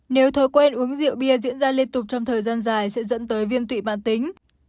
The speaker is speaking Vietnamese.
nếu thói quen uống rượu bia diễn ra liên tục trong thời gian dài sẽ dẫn tới viêm tụy mạng tính